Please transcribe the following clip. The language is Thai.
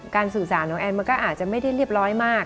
สื่อสารของแอนมันก็อาจจะไม่ได้เรียบร้อยมาก